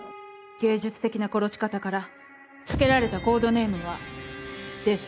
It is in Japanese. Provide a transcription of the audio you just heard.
芸術的な殺し方から付けられたコードネームはデス